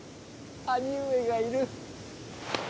兄上がいる。